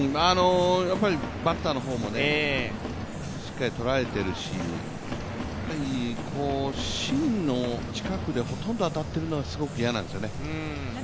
バッターの方もしっかり捉えているし、芯の近くでほとんど当たってるのが嫌なんですよね。